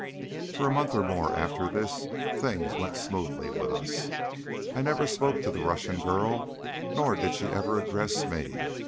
For a month or more after this things went smoothly with us. I never spoke to the Russian girl, nor did she ever address me.